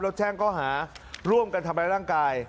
แล้วแจ้งข้อหาร่วมกันทำร้ายร่างกาย